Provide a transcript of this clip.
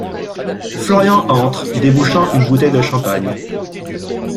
Florian entre, débouchant une bouteille de champagne.